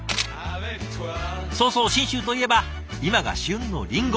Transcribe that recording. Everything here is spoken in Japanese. そうそう信州といえば今が旬のりんご。